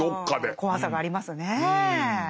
怖さがありますねえ。